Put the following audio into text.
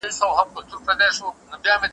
ته خبر یې د تودې خوني له خونده؟ ,